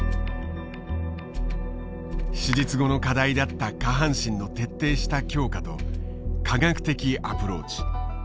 手術後の課題だった下半身の徹底した強化と科学的アプローチ。